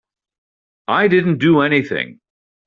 I didn't do anything.